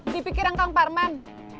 dipikir engkau yang parman